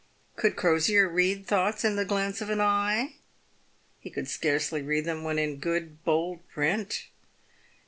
Could Crosier read thoughts in the glance of an eye ? He could scarcely read them when in good bold print.